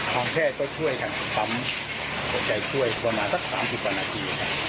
ความแพ้ก็ช่วยแถมปั๊มหัวใจช่วยประมาณสัก๓๐ปันนาที